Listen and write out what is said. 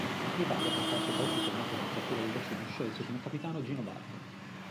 L'Italia, con Fausto Coppi fermato dalla frattura del bacino, scelse come capitano Gino Bartali.